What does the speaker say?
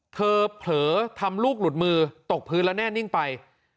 เผลอทำลูกหลุดมือตกพื้นแล้วแน่นิ่งไป